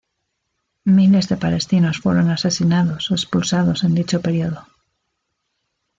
Miles de palestinos fueron asesinados o expulsados en dicho período.